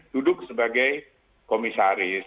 duduk sebagai komisaris